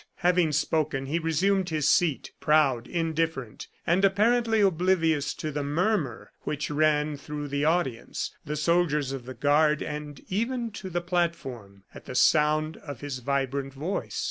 Having spoken, he resumed his seat, proud, indifferent, and apparently oblivious to the murmur which ran through the audience, the soldiers of the guard and even to the platform, at the sound of his vibrant voice.